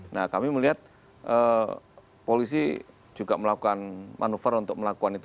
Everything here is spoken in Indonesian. nah kami melihat polisi juga melakukan manuver untuk melakukan itu